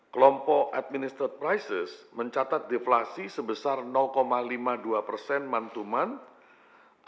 kelompok administered prices mencatat deflasi sebesar lima puluh dua month to month